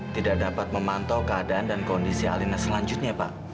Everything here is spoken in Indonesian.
tidak dapat memantau keadaan dan kondisi alina selanjutnya pak